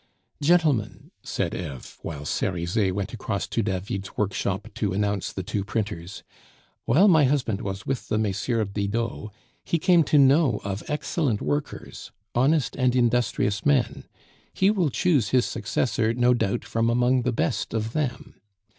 "Gentlemen," said Eve, while Cerizet went across to David's workshop to announce the two printers, "while my husband was with the MM. Didot he came to know of excellent workers, honest and industrious men; he will choose his successor, no doubt, from among the best of them.